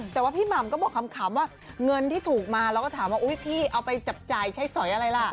แต่ว่าพี่หม่ำก็บอกคำว่าเงินที่ถูกมาเราก็ถามว่าอุ๊ยพี่เอาไปจับจ่ายใช้สอยอะไรล่ะ